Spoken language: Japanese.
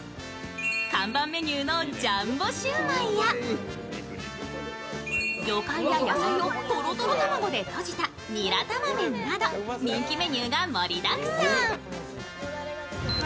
看板メニューのジャンボ焼売や魚介や野菜をとろとろ卵でとじたニラ玉めんなど人気メニューが盛りだくさん。